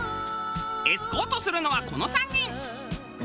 エスコートするのはこの３人。